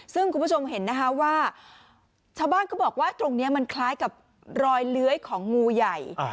ซึ่งคุณผู้ชมเห็นนะคะว่าชาวบ้านเขาบอกว่าตรงนี้มันคล้ายกับรอยเลื้อยของงูใหญ่